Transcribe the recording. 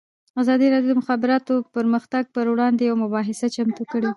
ازادي راډیو د د مخابراتو پرمختګ پر وړاندې یوه مباحثه چمتو کړې.